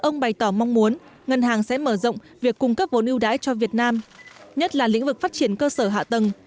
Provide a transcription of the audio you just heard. ngân hàng sẽ mở rộng việc cung cấp vốn ưu đãi cho việt nam nhất là lĩnh vực phát triển cơ sở hạ tầng